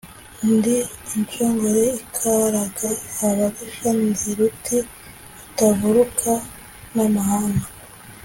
Ndi inshongore ikaraga ababisha, ndi ruti rutavaruka n'amahanga